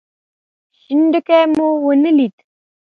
شين ډکی مو ونه ليد.